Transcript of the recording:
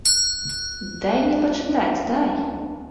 Дай мне пачытаць, дай!